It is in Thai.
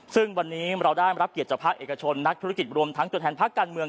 ซึ่งวันนี้เราได้รับเกียรติจากภาคเอกชนนักธุรกิจรวมทั้งตัวแทนพักการเมือง